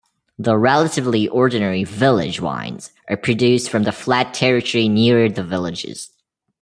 The relatively ordinary "Village" wines are produced from the flat territory nearer the villages.